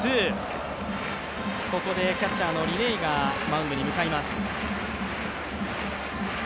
ここでキャッチャーのリ・ネイがマウンドに向かいます。